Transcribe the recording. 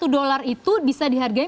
satu dolar itu bisa dihargai